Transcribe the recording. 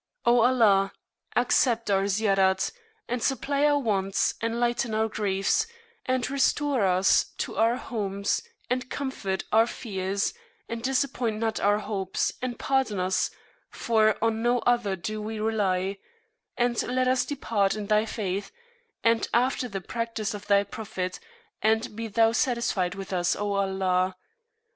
O Allah! accept our Ziyarat, and supply our Wants, and lighten our Griefs, and restore us to our Homes, and comfort our Fears, and disappoint not our Hopes, and pardon us, for on no other do we rely; and let us depart in Thy Faith, and after the Practice of Thy Prophet, and be Thou satisfied with us! O Allah!